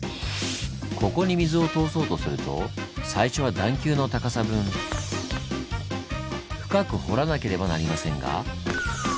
ここに水を通そうとすると最初は段丘の高さ分深く掘らなければなりませんが。